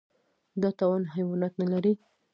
دا توان حیوانات نهلري.